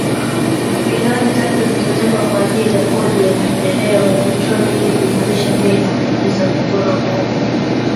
milioni tatu zilizotengwa kwa ajili ya Kodi ya Maendeleo ya petroli ili kuimarisha bei na kumaliza mgogoro huo